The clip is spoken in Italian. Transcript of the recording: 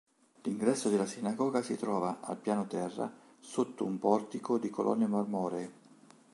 L'ingresso della sinagoga si trova, al piano terra, sotto un portico di colonne marmoree.